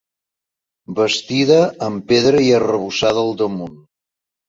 Bastida amb pedra i arrebossada al damunt.